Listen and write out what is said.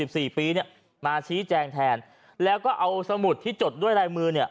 สี่ปีเนี้ยมาชี้แจงแทนแล้วก็เอาสมุดที่จดด้วยลายมือเนี่ย